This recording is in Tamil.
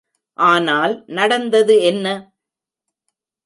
ஆனால் நடந்தது என்ன?